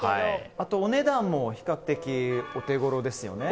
お値段も比較的お手頃ですよね。